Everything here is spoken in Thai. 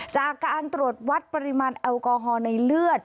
จากการตรวจวัดปริมาณแอลกอฮอล์ในเลือด